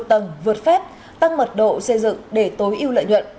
tầng vượt phép tăng mật độ xây dựng để tối ưu lợi nhuận